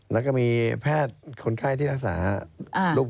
แล้วก็มีแพทย์คนไข้ที่รักษาลูก